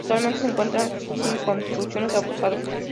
Actualmente se encuentra sin construcciones adosadas.